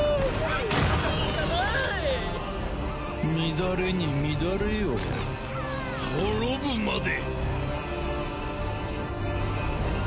乱れに乱れよ滅ぶまで！